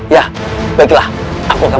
ya pergilah aku akan pergi